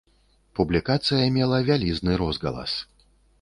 Публікацыя мела вялізны розгалас.